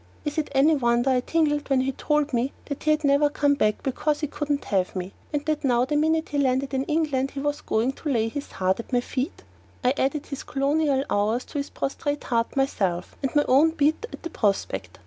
Is it any wonder I tingled when he told me that he had never come back because he couldn't have me, and that now the minute he landed in England he was going to lay his heart at my feet? I added his colonial honours to his prostrate heart myself, and my own beat at the prospect.